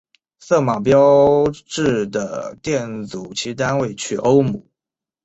色码标示的电阻其单位取欧姆。